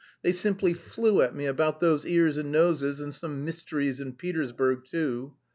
They simply flew at me about those ears and noses, and some mysteries in Petersburg too.